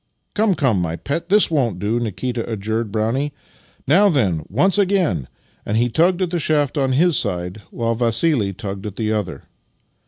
"Come, come, my pet; this won't do," Nikita adjured Brownie. "Now then, once again!" and he tugged at the shaft on his side, while Vassili tugged at the other.